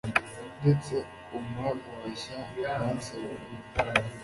ndetse umpa guhashya abansembuye